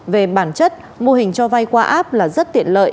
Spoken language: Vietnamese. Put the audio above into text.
về bản chất mô hình cho vay qua app là rất tiện lợi